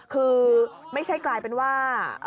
คือไม่ใช่กลายเป็นว่า